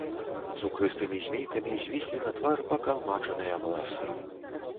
Сукрыстымі змейкамі звіслі на твар пакалмачаныя валасы.